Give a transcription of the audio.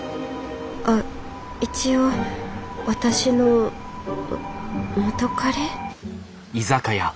あっ一応私の元カレ？